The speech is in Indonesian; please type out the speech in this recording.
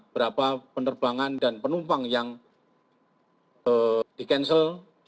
berapa penerbangan dan penumpang yang di cancel